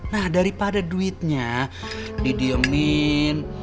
nah daripada duitnya didiumin